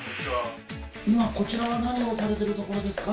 今こちらは何をされてるところですか？